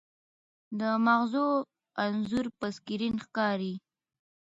د مغزو انځور په سکرین ښکاري.